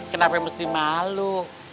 kenapa yang mesti malu